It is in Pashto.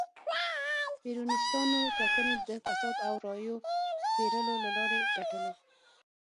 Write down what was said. پېرونیستانو ټاکنې د فساد او رایو پېرلو له لارې ګټلې.